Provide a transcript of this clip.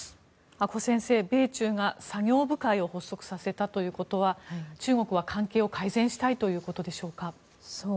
阿古先生米中が作業部会を発足させたということは中国は関係を改善したいということでしょうか。